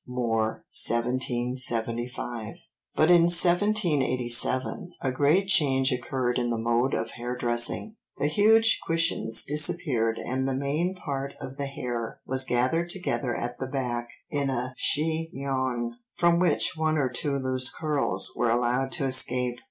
More, 1775.) But in 1787 a great change occurred in the mode of hair dressing, the huge cushions disappeared and the main part of the hair was gathered together at the back in a chignon from which one or two loose curls were allowed to escape.